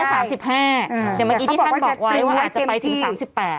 อย่างเมื่อกี้ที่ท่านบอกไว้ว่าอาจจะไปถึง๓๘